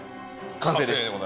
完成です